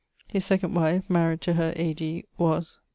His second wife (maried to her A.D. ...) was